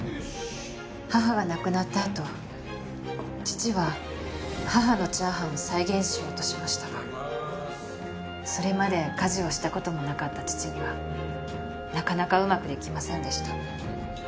母が亡くなったあと父は母のチャーハンを再現しようとしましたがそれまで家事をした事もなかった父にはなかなかうまく出来ませんでした。